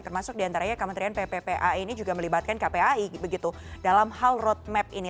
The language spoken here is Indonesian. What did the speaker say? termasuk diantaranya kementerian pppa ini juga melibatkan kpai begitu dalam hal roadmap ini